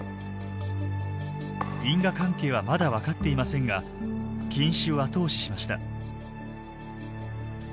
因果関係はまだ分かっていませんが禁止を後押ししました。